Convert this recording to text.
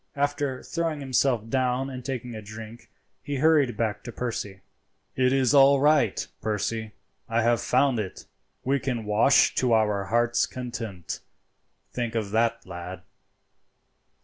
After throwing himself down and taking a drink he hurried back to Percy. "It is all right, Percy, I have found it. We can wash to our hearts' content; think of that, lad."